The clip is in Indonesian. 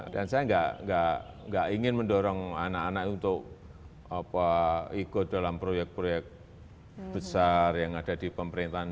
dan saya gak ingin mendorong anak anak untuk ikut dalam proyek proyek besar yang ada di pemerintahan